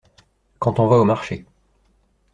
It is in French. Quand on va au marché.